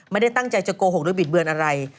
ไม่ได้ตั้งใจจะโกหกหรือบิดเบือนอะไร